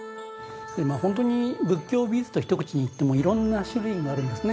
ホントに仏教美術とひと口に言っても色んな種類があるんですね。